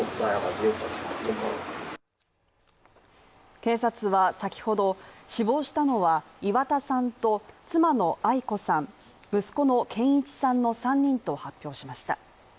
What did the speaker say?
警察は、先ほど死亡したのは岩田さんと妻の愛子さん、息子の健一さんの３人と発表しました。